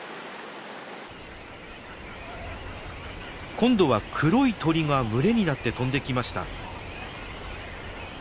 今度は黒い鳥が群れになって飛んできました。